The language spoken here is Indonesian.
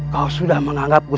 kau sudah menganggapku